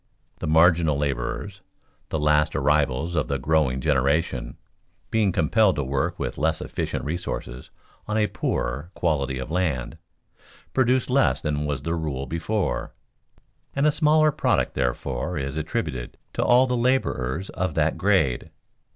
The marginal laborers (the last arrivals or the growing generation) being compelled to work with less efficient resources on a poorer quality of land, produce less than was the rule before, and a smaller product therefore is attributed to all the laborers of that grade.